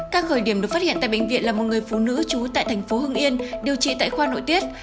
các khởi điểm được phát hiện tại bệnh viện là một người phụ nữ trú tại thành phố hưng yên điều trị tại khoa nội tiết